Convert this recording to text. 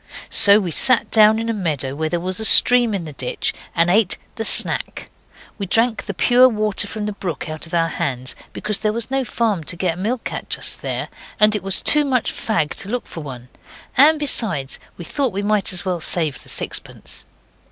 So we sat down in a meadow where there was a stream in the ditch and ate the 'snack'. We drank the pure water from the brook out of our hands, because there was no farm to get milk at just there, and it was too much fag to look for one and, besides, we thought we might as well save the sixpence.